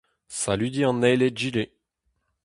Saludiñ an eil egile.